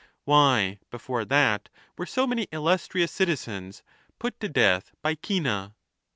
Why, before that, were so many illustrious cit izens put to death by Cinna